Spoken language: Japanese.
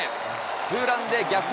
ツーランで逆転。